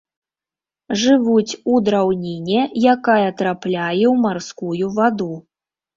Жывуць у драўніне, якая трапляе ў марскую ваду.